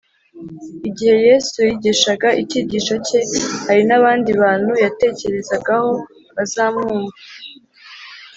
igihe yesu yigishaga icyigisho cye hari abandi bantu yatekerezagaho bazamwumva